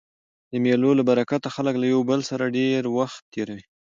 د مېلو له برکته خلک له یو بل سره ډېر وخت تېروي.